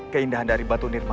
kau tidak mau aku akan mencoba